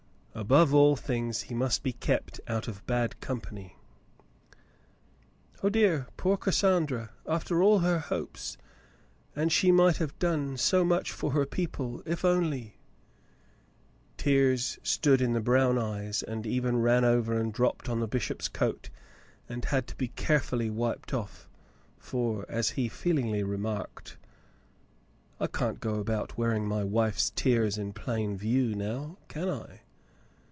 Above all things he must be kept out of bad company. "Oh, dear! Poor Cassandra! After all her hopes — and she might have done so much for her people — if only —" Tears stood in the brown eyes and even ran over and dropped upon the bishop's coat and had to be care fully wiped off, for, as he feelingly remarked, — "I can't go about wearing my wife's tears in plain view, now, can I